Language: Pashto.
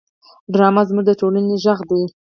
ډرامه زموږ د ټولنې غږ دی